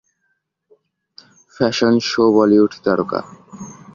fashion শোবলিউডতারকা